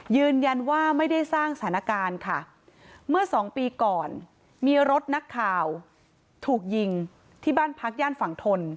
ยืนยันว่าไม่ได้สร้างสถานการณ์ค่ะเมื่อสองปีก่อนมีรถนักข่าวถูกยิงที่บ้านพักย่านฝั่งทน